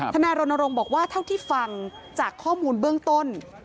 นายรณรงค์บอกว่าเท่าที่ฟังจากข้อมูลเบื้องต้น